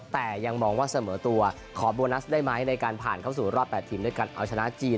แต่ยังมองว่าเสมอตัวขอโบนัสได้ไหมในการผ่านเข้าสู่รอบ๘ทีมด้วยการเอาชนะจีน